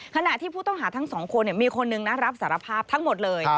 ขณะที่ผู้ต้องหาทั้งสองคนมีคนหนึ่งนะรับสารภาพทั้งหมดเลย